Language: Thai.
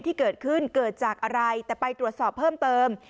ที่เกิดขึ้นเกิดจากอะไรแต่ไปตรวจสอบเพิ่มเติม